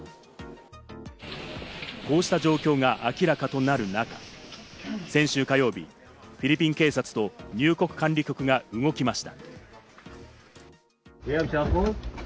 こうした状況が明らかとなる中、先週火曜日、フィリピン警察と入国管理局が動きました。